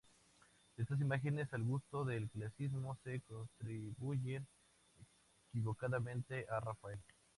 Estas imágenes al gusto del clasicismo se atribuyeron equivocadamente a Rafael.